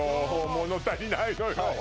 物足りないのよ